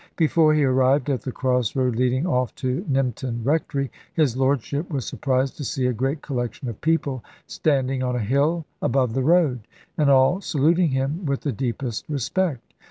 Before he arrived at the cross road leading off to Nympton Rectory, his Lordship was surprised to see a great collection of people standing on a hill above the road, and all saluting him with the deepest respect.